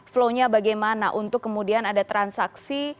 flow nya bagaimana untuk kemudian ada transaksi